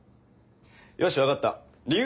よし分かった理由